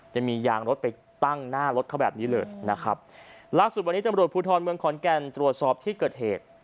ยังมียางรถไปตั้งหน้ารถเขาแบบนี้เลยนะครับล่าสุดวันนี้ตำรวจภูทรเมืองขอนแก่นตรวจสอบที่เกิดเหตุ